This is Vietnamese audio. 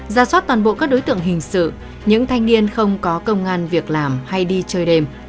ra soát toàn bộ các đối tượng hình sự những thanh niên không có công an việc làm hay đi chơi đêm